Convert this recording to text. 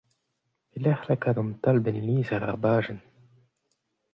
Pelecʼh lakaat an talbenn lizher er bajenn ?